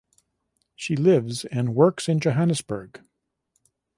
She lives and works in Johannesburg.